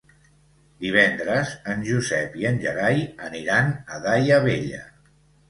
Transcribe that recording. Divendres en Josep i en Gerai aniran a Daia Vella.